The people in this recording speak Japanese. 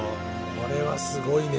これはすごいね。